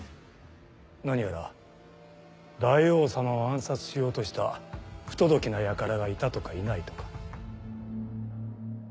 何やら大王様を暗殺しようとした不届きな輩がいたとかいないとか。